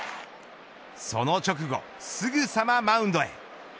その直後すぐさまマウンドへ。